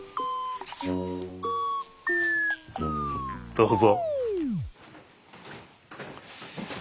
どうぞ。